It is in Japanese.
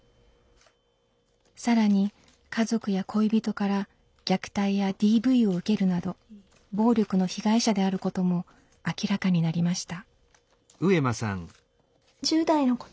更に家族や恋人から虐待やＤＶを受けるなど暴力の被害者であることも明らかになりました。